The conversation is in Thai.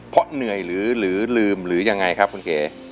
เพราะเหนื่อยหรือลืมหรือยังไงครับคุณเก๋